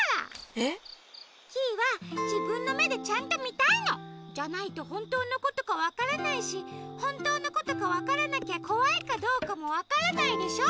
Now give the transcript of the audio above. えっ？キイはじぶんのめでちゃんとみたいの！じゃないとほんとうのことかわからないしほんとうのことかわからなきゃこわいかどうかもわからないでしょ。